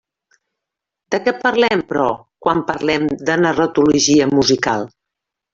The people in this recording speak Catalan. De què parlem, però, quan parlem de narratologia musical?